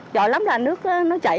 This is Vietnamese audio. giỏi lắm là nước nó chạy